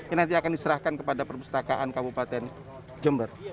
ini nanti akan diserahkan kepada perpustakaan kabupaten jember